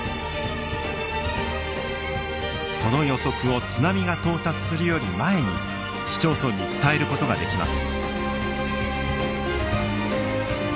その予測を津波が到達するより前に市町村に伝える事ができます。